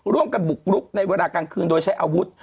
ร่วมกันบุกรุกในเวลากลางคืนโดยใช้อาวุธ